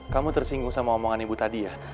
kamu tersinggung sama omongan ibu tadi ya